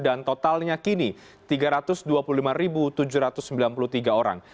dan totalnya kini tiga ratus dua puluh lima tujuh ratus sembilan puluh tiga orang